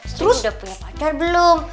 terus udah punya pacar belum